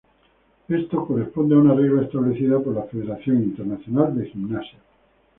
Esto corresponde a una regla establecida por Federación Internacional de Gimnasia.